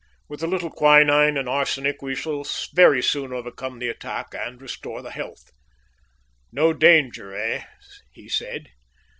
"With a little quinine and arsenic we shall very soon overcome the attack and restore his health." "No danger, eh?" he said.